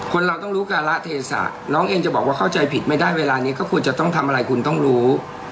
เราต้องรู้การะเทศะน้องเองจะบอกว่าเข้าใจผิดไม่ได้เวลานี้ก็ควรจะต้องทำอะไรคุณต้องรู้